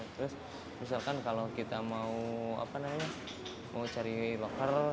terus misalkan kalau kita mau cari locker